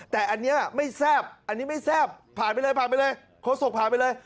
แต่อันนี้ไม่แซ่บอันนี้ไม่แซ่บผ่านไปเลยผ่านไปเลยโฆษกผ่านไปเลย